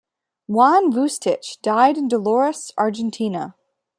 Juan Vucetich died in Dolores, Argentina.